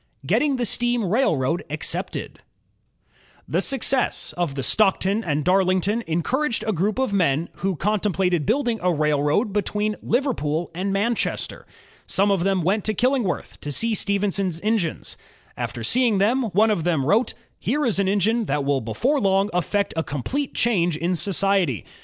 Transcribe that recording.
Getting the Steam Railroad Accepted The success of the Stockton and Darlington encouraged a group of men who contemplated building a railroad be tween Liverpool and Manchester. Some of them went to Killingworth to see Stephenson's engines. After seeing them, one of the men wrote: ''Here is an engine that will before long effect a complete change in society.